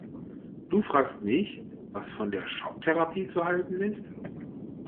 Du fragst mich, was von der Schocktherapie zu halten ist?